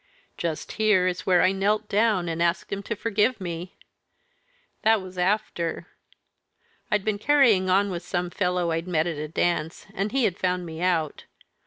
"Just here is where I knelt down, and asked him to forgive me. That was after I'd been carrying on with some fellow I'd met at a dance, and he had found me out.